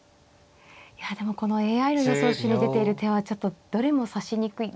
いやでもこのＡＩの予想手に出ている手はちょっとどれも指しにくい。